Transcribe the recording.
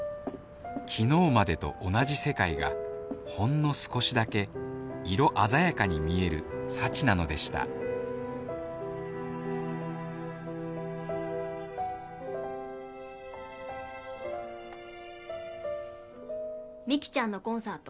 昨日までと同じ世界がほんの少しだけ色鮮やかに見える幸なのでした美希ちゃんのコンサート。